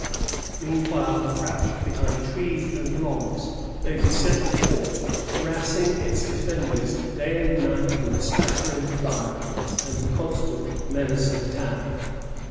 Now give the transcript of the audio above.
Meanwhile, crouched behind trees and logs, they beset the fort, harassing its defenders day and night 184 THE UEBOES OF THE LONG SAUT. [1660. with a spattering fire and a constant menace of attack.